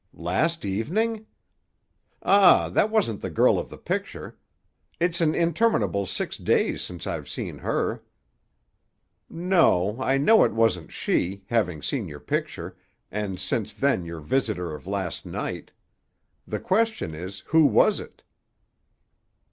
"Last evening? Ah, that wasn't the girl of the picture. It's an interminable six days since I've seen her." "No; I know it wasn't she, having seen your picture, and since then your visitor of last night. The question is, who was it?"